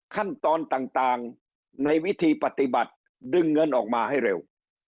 ขั้นตอนต่างในวิธีปฏิบัติดึงเงินออกมาให้เร็ว